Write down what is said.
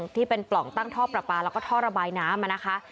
ปล่องตั้งท่อประปาแล้วก็ท่อระบายน้ำนะคะ